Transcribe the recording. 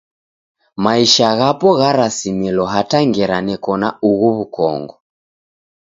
Maisha ghapo gharasimilo hata ngera neko na ughu w'ukongo.